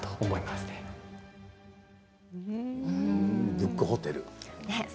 ブックホテル。